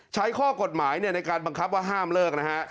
ใช้ข้อกฎหมายในการบังคับว่าห้ามเลิกนะฮะ